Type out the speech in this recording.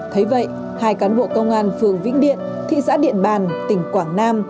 thấy vậy hai cán bộ công an phường vĩnh điện thị xã điện bàn tỉnh quảng nam